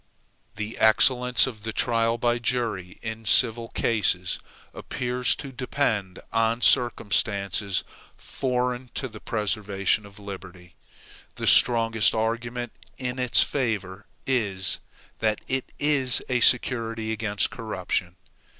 The excellence of the trial by jury in civil cases appears to depend on circumstances foreign to the preservation of liberty. The strongest argument in its favor is, that it is a security against corruption.